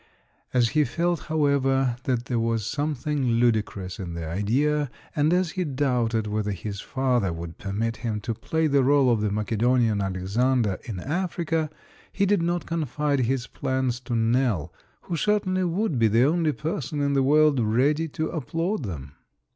As he felt, however, that there was something ludicrous in the idea and as he doubted whether his father would permit him to play the role of the Macedonian Alexander in Africa, he did not confide his plans to Nell, who certainly would be the only person in the world ready to applaud them.